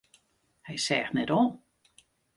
Hy seach net om.